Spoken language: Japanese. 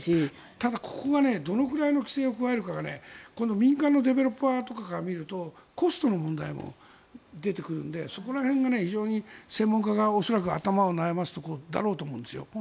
ただ、ここがどれくらいの規制を加えるかが民間のディベロッパーとかから見るとコストの問題も出てくるのでそこら辺が非常に専門家が頭を悩ませるところだと思うんですよ。